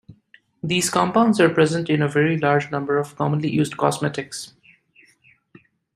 These compounds are present in a very large number of commonly used cosmetics.